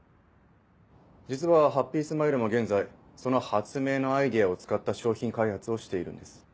実はハッピースマイルも現在その発明のアイデアを使った商品開発をしているんです。